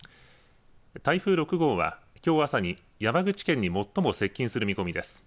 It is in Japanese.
台風６号はきょう朝に山口県に最も接近する見込みです。